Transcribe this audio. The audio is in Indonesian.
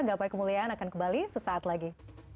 gapai kemuliaan akan kembali sesaat lagi